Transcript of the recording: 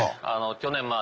去年まあ